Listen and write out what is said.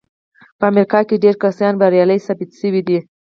په امريکا کې ډېر کسان بريالي ثابت شوي دي.